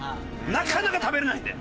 なかなか食べれないんで。